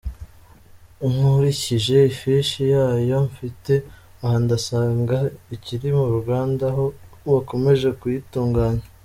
Nkurikije ifishi yayo mfite aha ndasanga ikiri muruganda aho bakomeje kuyitunganya.